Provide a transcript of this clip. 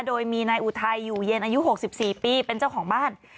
โดยมีนายอุทัยอยู่เย็นอายุ๖๔ปีเป็นเจ้าของบ้าน